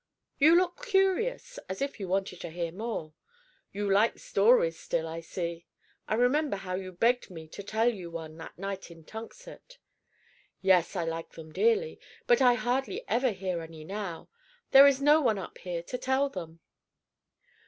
You look curious, as if you wanted to hear more. You like stories still, I see. I remember how you begged me to tell you one that night in Tunxet." "Yes, I like them dearly. But I hardly ever hear any now. There is no one up here to tell them."